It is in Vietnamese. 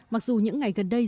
mặc dù những ngày gần đây